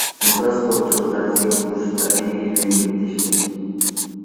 Мурда спортчу кыздар сегиз бурчтукта бири бири менен беттешкен.